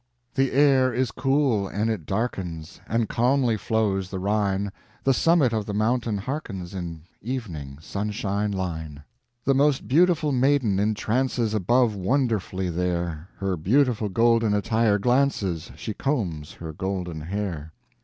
The air is cool and it darkens, And calmly flows the Rhine; The summit of the mountain hearkens In evening sunshine line. The most beautiful Maiden entrances Above wonderfully there, Her beautiful golden attire glances, She combs her golden hair.